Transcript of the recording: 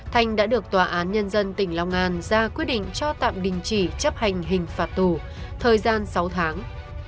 thanh đã được tòa án nhân dân tỉnh long an ra quyết định cho tạm đình chỉ chấp hành hình phạt tù thời gian sáu tháng